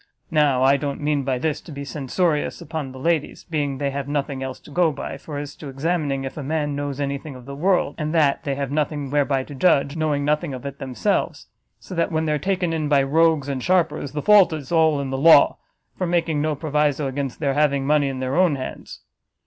Now I don't mean by this to be censorious upon the ladies, being they have nothing else to go by, for as to examining if a man knows any thing of the world, and that, they have nothing whereby to judge, knowing nothing of it themselves. So that when they are taken in by rogues and sharpers, the fault is all in the law, for making no proviso against their having money in their own hands.